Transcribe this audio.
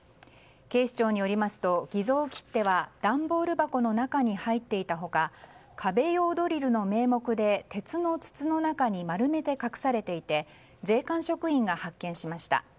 警視庁によりますと、偽造切手は段ボール箱の中に入っていた他壁用ドリルの名目で鉄の筒の中に丸めて隠されていて税関職員が発見しました。